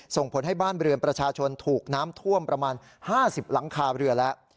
ส่งผลให้บ้านเรือนประชาชนถูกน้ำท่วมประมาณ๕๐หลังคาเรือแล้ว